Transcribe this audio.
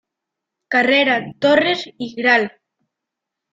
Carrera Torres y Gral.